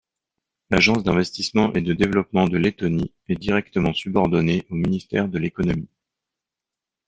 L'Agence d'investissement et de développement de Lettonie est directement subordonnée au Ministère de l'économie.